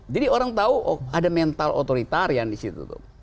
jadi orang tahu ada mental authoritarian disitu